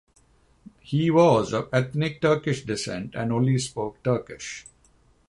He was of ethnic Turkish descent and only spoke Turkish.